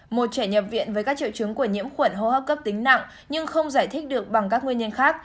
một trẻ nhập viện với các triệu chứng của nhiễm khuẩn hô hấp cấp tính nặng nhưng không giải thích được bằng các nguyên nhân khác